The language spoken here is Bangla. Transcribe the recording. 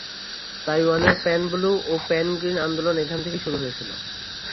তাইওয়ানের প্যান ব্লু ও প্যান গ্রীন আন্দোলন এখান থেকেই শুরু হয়েছিল।